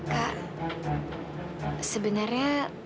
kak sebenarnya taufan itu siapa sih